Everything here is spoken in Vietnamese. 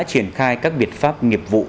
triển khai các biệt pháp nghiệp vụ